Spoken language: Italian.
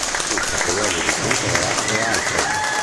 Il capoluogo di contea è Alfred.